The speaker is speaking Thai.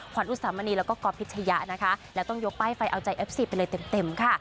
อุตสามณีแล้วก็ก๊อฟพิชยะนะคะแล้วต้องยกป้ายไฟเอาใจเอฟซีไปเลยเต็มค่ะ